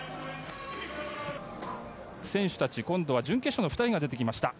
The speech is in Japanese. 選手たち今度は準決勝の２人が出てきました。